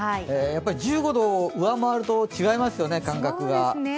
やっぱり１５度を上回ると違いますよね、感覚が。